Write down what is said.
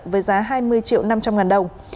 với giá hai mươi triệu năm trăm linh ngàn đồng